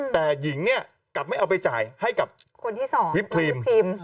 แต่หญิงกลับไม่เอาไปจ่ายให้กับวิทย์พรีม